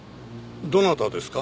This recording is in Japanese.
どなたですか？